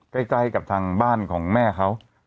ใกล้กับทางบ้านของแม่เขา